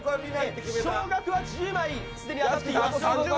少額は１０枚既に当たっています。